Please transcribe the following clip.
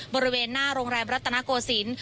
บริเวณหน้าโรงแรมรัตนโกศิลป์